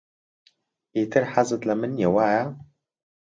ئیتر حەزت لە من نییە، وایە؟